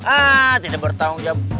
ah tidak bertanggung jawab